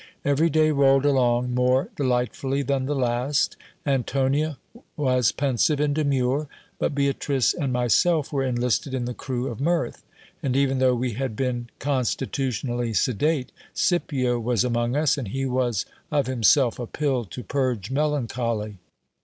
Every day rolled along more delightfully .than the last. Antonia was pensive and demure ; but Beatrice and myself were enlisted in the crew of mirth ; and even though we had been con stitutionally sedate, Scipio was among us, and he was of himself a pill to purge melancholy.